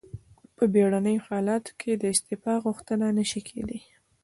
په بیړنیو حالاتو کې د استعفا غوښتنه نشي کیدای.